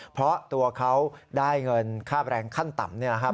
เพราะตัวเขาได้เงินค่าแบรนด์ขั้นต่ำ